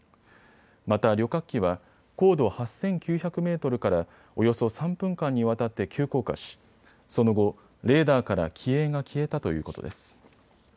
また旅客機は高度８９００メートルからおよそ３分間にわたって急降下しその後、レーダーから機影が消えたということです。